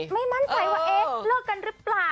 ไม่มั่นใจว่าเอ๊ะเลิกกันหรือเปล่า